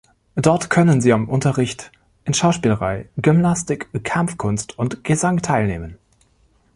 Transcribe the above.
Dort können sie am Unterricht in Schauspielerei, Gymnastik, Kampfkunst und Gesang teilnehmen.